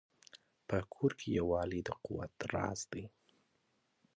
په کور کې یووالی د قوت راز دی.